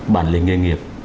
bản lĩnh nghề nghiệp